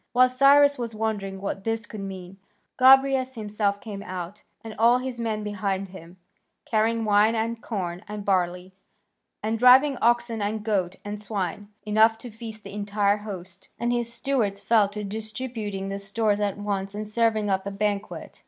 While Cyrus was wondering what this could mean, Gobryas himself came out, and all his men behind him, carrying wine and corn and barley, and driving oxen and goats and swine, enough to feast the entire host. And his stewards fell to distributing the stores at once, and serving up a banquet.